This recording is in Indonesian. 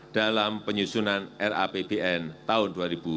dalam penyusunan rapbn tahun dua ribu dua puluh